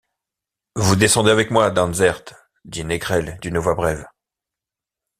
Vous descendez avec moi, Dansaert, dit Négrel d’une voix brève.